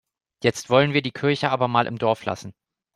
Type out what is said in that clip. Jetzt wollen wir die Kirche aber mal im Dorf lassen.